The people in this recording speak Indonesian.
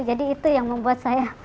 jadi itu yang membuat saya